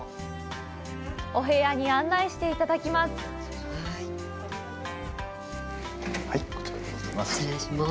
お部屋に案内していただきます。